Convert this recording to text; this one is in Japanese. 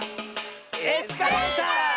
「エスカレーター」！